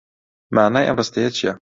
مانای ئەم ڕستەیە چییە؟